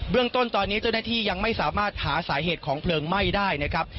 เรื่องต้นตอนนี้เจ้าหน้าที่ยังไม่สามารถหาสาเหตุของเพลิงไหม้ได้นะครับ